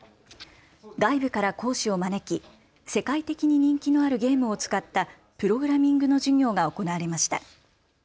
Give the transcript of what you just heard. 外部から講師を招き、世界的に人気のあるゲームを使ったプログラミングの授業が行われました。